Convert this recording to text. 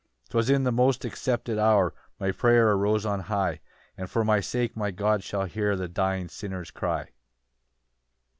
12 "'Twas in a most accepted hour "My prayer arose on high, "And for my sake my God shall hear "The dying sinner's cry."